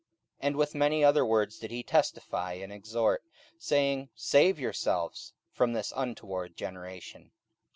44:002:040 And with many other words did he testify and exhort, saying, Save yourselves from this untoward generation.